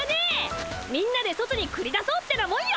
みんなで外にくり出そうってなもんよ。